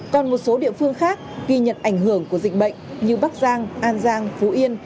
còn một số địa phương khác ghi nhận ảnh hưởng của dịch bệnh như bắc giang an giang phú yên